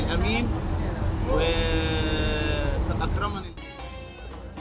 untuk menikmati kota yang berkualitas